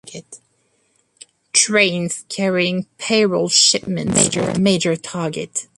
Trains carrying payroll shipments were a major target.